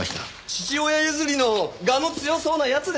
父親譲りの我の強そうな奴でしょ。